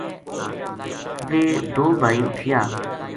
ویہ دو بھائی اُٹھیا